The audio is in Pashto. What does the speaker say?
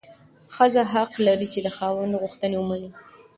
ښځه حق لري چې د خاوند غوښتنې ومني.